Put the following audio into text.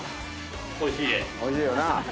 おいしいよな。